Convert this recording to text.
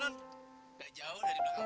enggak jauh dari belakang